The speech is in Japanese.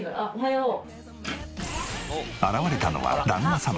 現れたのは旦那様。